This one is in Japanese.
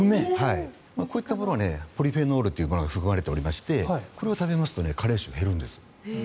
こういったものはポリフェノールというものが含まれておりましてこれを食べますと加齢臭が減るんです。